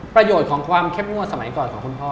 ประโยชน์ของความเข้มงวดสมัยก่อนของคุณพ่อ